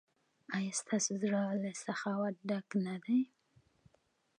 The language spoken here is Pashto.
ایا ستاسو زړه له سخاوت ډک نه دی؟